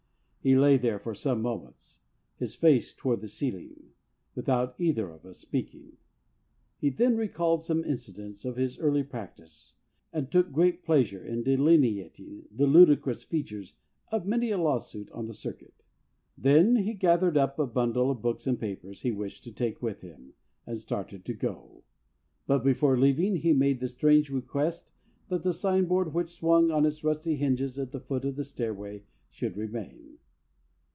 He lay there for some moments, his face toward the ceiling, without either of us speaking. ... He then recalled some incidents of his early prac tice and took great pleasure in delineating the ludicrous features of many a lawsuit on the cir cuit. ... Then he gathered up a bundle of books and papers he wished to take with him, and started to go, but before leaving he made the 17 291 LINCOLN THE LAWYER strange request that the sign board which swung on its rusty hinges at the foot of the stairway should remain.